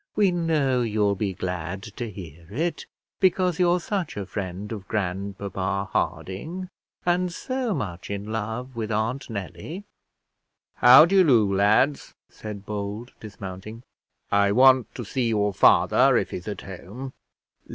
We know you'll be glad to hear it, because you're such a friend of grandpapa Harding, and so much in love with Aunt Nelly!" "How d'ye do, lads?" said Bold, dismounting. "I want to see your father if he's at home."